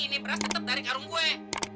iya tapi ini beras tetep dari karung gue